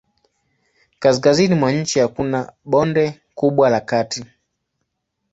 Kaskazini mwa nchi hakuna bonde kubwa la kati.